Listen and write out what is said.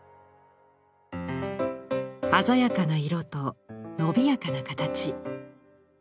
鮮やかな色と伸びやかな形。